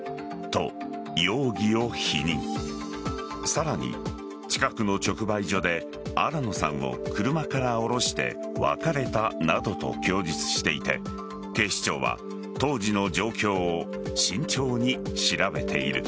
さらに、近くの直売所で新野さんを車から降ろして別れたなどと供述していて警視庁は当時の状況を慎重に調べている。